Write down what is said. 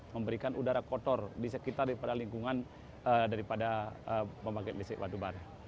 memberikan udara kotor di sekitar lingkungan daripada pemerintah